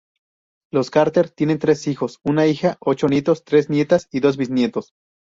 Los Carter tienen tres hijos, una hija, ocho nietos, tres nietas, y dos bisnietos.